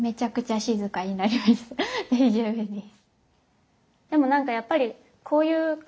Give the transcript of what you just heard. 大丈夫です。